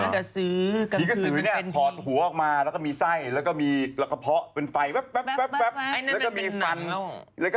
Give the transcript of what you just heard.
กระซื้อกระซื้อกระซื้อมันเป็นพิมพ์